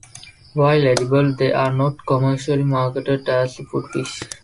While edible, they are not commercially marketed as a food fish.